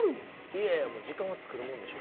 いやいや時間は作るもんでしょ？